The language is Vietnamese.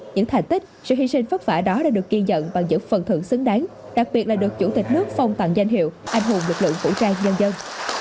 những thành tích sự hy sinh vất vả đó đã được ghi nhận bằng những phần thưởng xứng đáng đặc biệt là được chủ tịch nước phong tặng danh hiệu anh hùng lực lượng vũ trang nhân dân